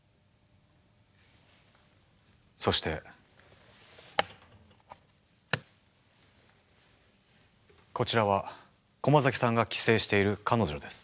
そしてこちらは駒崎さんが寄生している彼女です。